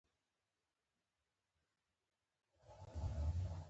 نننی انسان پروني انسان دی.